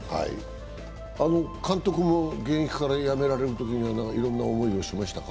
監督も現役から辞められるときにはいろんな思いをしましたか？